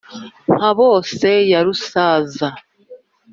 mpabose ya rusaza